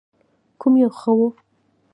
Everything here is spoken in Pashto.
کوم یو ښه و؟